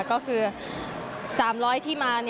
ก็คือ๓๐๐ที่มา